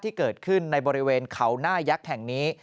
ที่เกิดขึ้นในบริเวณเขาหน้ายักษ์แห่งนี้